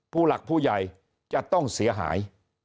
ผู้หลักผู้ใหญ่จะต้องเสียหาย